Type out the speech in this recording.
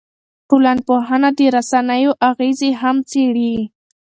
ټولنپوهنه د رسنیو اغېزې هم څېړي.